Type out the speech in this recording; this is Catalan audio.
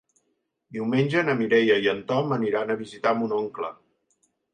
Diumenge na Mireia i en Tom aniran a visitar mon oncle.